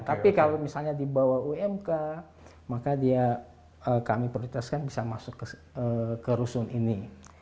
tapi kalau misalnya di bawah umk maka kami prioritaskan bisa masuk ke rusun ini